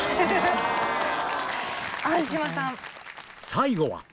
最後は